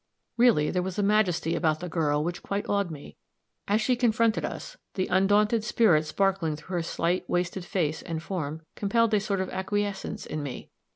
Really, there was a majesty about the girl which quite awed me. As she confronted us, the undaunted spirit sparkling through her slight, wasted face and form, compelled a sort of acquiescence in me.